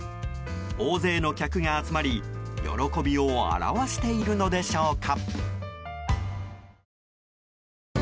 大勢の客が集まり喜びを表しているのでしょうか。